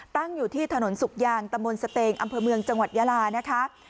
ตั้งอยู่ที่ถนนสุกยางตะมนต์สเตงอำเภอเมืองจังหวัดยาลานะคะ